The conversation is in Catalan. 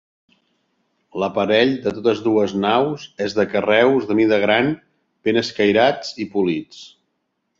L'aparell de totes dues naus és de carreus de mida gran ben escairats i polits.